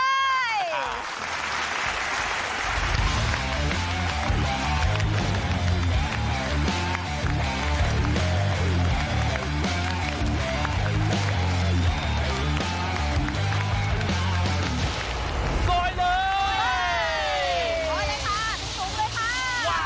มาเลยค่ะสูงเลยค่ะ